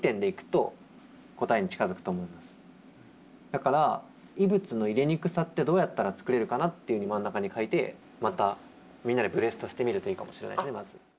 だから異物の入れにくさってどうやったら作れるかなって真ん中に書いてまたみんなでブレストしてみるといいかもしれないですね。